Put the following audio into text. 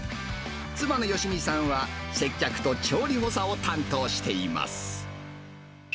妻の好美さんは、接客と調理補佐を担当しています。